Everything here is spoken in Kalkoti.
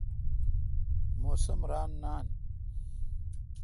موسم ران نان۔